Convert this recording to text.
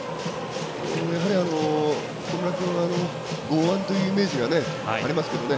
やはり木村君は豪腕というイメージがありますからね。